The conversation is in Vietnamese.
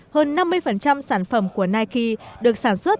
hơn năm mươi sản phẩm của nike được sản xuất